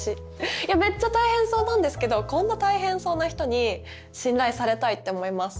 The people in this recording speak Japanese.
いやめっちゃ大変そうなんですけどこんな大変そうな人に信頼されたいって思います。